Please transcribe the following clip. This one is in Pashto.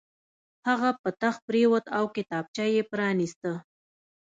هغه په تخت پرېوت او کتابچه یې پرانیسته